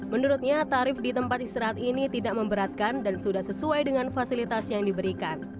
menurutnya tarif di tempat istirahat ini tidak memberatkan dan sudah sesuai dengan fasilitas yang diberikan